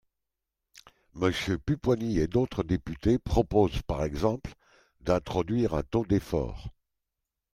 Monsieur Pupponi et d’autres députés proposent par exemple d’introduire un taux d’effort.